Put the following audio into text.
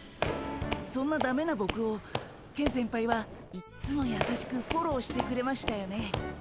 そんなダメなボクをケン先輩はいっつもやさしくフォローしてくれましたよね。